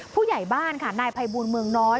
ผู้ใหญ่บ้านค่ะนายภัยบูลเมืองน้อย